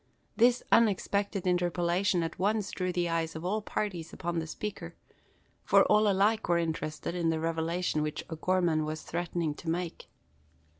This unexpected interpolation at once drew the eyes of all parties upon the speaker; for all were alike interested in the revelation which O'Gorman was threatening to make.